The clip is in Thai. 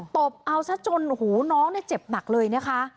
ตบเอาซะจนหูน้องเนี่ยเจ็บหนักเลยนะคะ